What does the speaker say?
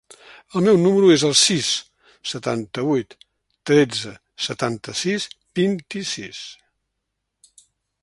El meu número es el sis, setanta-vuit, tretze, setanta-sis, vint-i-sis.